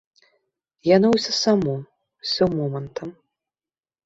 Яно ўсё само, усё момантам.